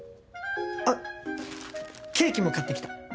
あっケーキも買ってきた。